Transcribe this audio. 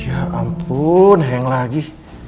ya ampun hang lagi